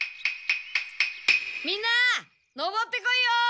みんな登ってこいよ！